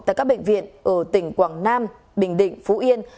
tại các bệnh viện ở tỉnh quảng nam bình định phú yên